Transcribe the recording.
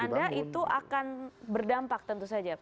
dan menurut anda itu akan berdampak tentu saja